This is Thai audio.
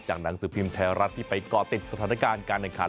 จากหนังสือพิมพ์แท้รัฐที่ไปก่อเต็มสถานการณ์การณ์ขัน